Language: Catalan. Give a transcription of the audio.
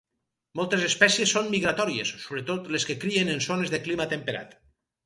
Moltes espècies són migratòries, sobretot les que crien en zones de clima temperat.